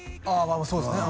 まあそうですね